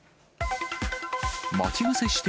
待ち伏せして？